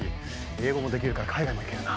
英語もできるから海外も行けるな。